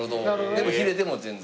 でもヒレでも全然？